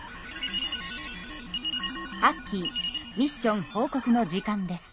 アッキーミッション報告の時間です。